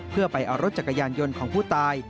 เพื่อไปเอารถจักรยานยนต์ของผู้ตาย